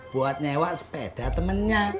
buat nyewa sepeda temennya